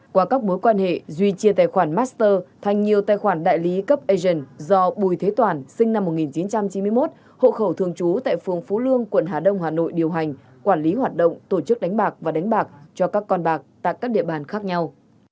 qua các mối quan hệ duy chia tài khoản master thành nhiều tài khoản đại lý cấp asian do bùi thế toàn sinh năm một nghìn chín trăm chín mươi một hộ khẩu thường trú tại phường phú lương quận hà đông hà nội điều hành quản lý hoạt động tổ chức đánh bạc và đánh bạc cho các con bạc tại các địa bàn khác nhau